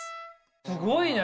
すごいね。